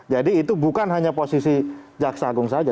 jadi itu bukan hanya posisi jaksa agung saja